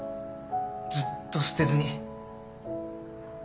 ずっと捨てずに。